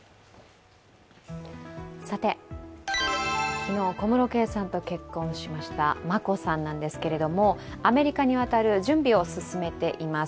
昨日、小室圭さんと結婚しました眞子さんなんですがアメリカに渡る準備を進めています。